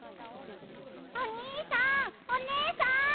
おにいさんおねえさん！